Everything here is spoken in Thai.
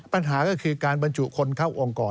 ปัญหาก็คือการบรรจุคนเข้าองค์กร